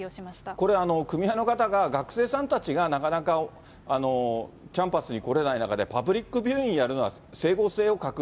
これ、組合の方が、学生さんたちがなかなかキャンパスに来れない中で、パブリックビューイングやるのは、整合性を欠く。